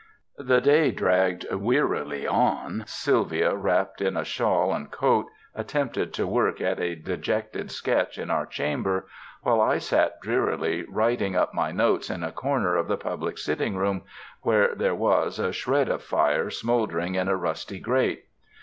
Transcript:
The day dragged wearily on. Sylvia, wrapped in a shawl and coat, attempted to work at a dejected sketch in our chamber; while I sat drearily writing up my notes in a corner of the public sitting room where there was a shred of fire smoldering in a rusty grate.